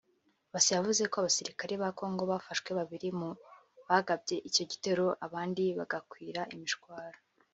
Basse yavuze ko abasirikare ba Congo bafashe babiri mu bagabye icyo gitero abandi bagakwira imishwaro